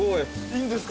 いいんですか？